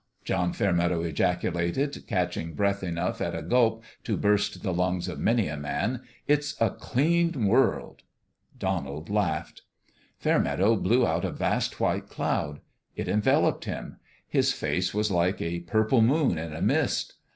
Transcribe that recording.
John Fairmeadow ejaculated, catching breath enough at a gulp to burst the lungs of many a man ;" it's a clean world." Donald laughed. Fairmeadow blew out a vast white cloud. It enveloped him : his face was like a purple moon in a mist.